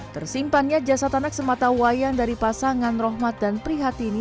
tersimpannya jasad anak sematawayang dari pasangan rohmat dan prihatini